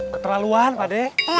keterlaluan pak d